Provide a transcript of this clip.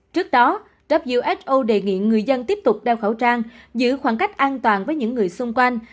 trước đó who đề nghị người dân tiếp tục đeo khẩu trang giữ khoảng cách an toàn với những người xung quanh